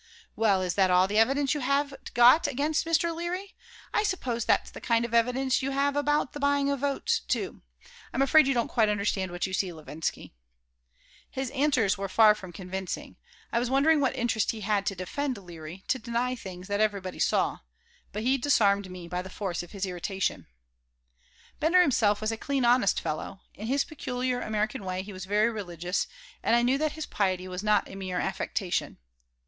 Well, is that all the evidence you have got against Mr. Leary? I suppose that's the kind of evidence you have about the buying of votes, too. I am afraid you don't quite understand what you see, Levinsky." His answers were far from convincing. I was wondering what interest he had to defend Leary, to deny things that everybody saw. But he disarmed me by the force of his irritation Bender himself was a clean, honest fellow. In his peculiar American way, he was very religious, and I knew that his piety was not a mere affectation.